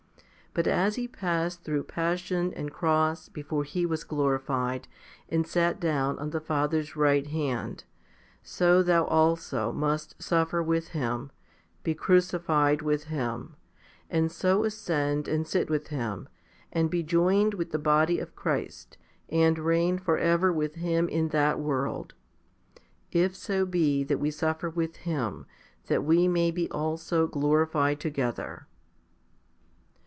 But as He passed through passion and cross before He was glorified and sat down on the Father's right hand, so thou also must suffer with Him, be crucified with Him, and so ascend and sit with Him, and be joined with the body of Christ, and reign for ever with Him in that world if so be that we suffer with Him, that we may be also glorified together.